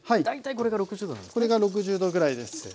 これが６０℃ぐらいです。